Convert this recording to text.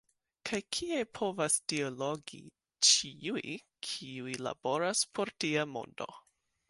Kaj kie povas dialogi ĉiuj, kiuj laboras por tia mondo.